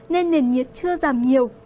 nên nền nhiệt chưa giảm nhiều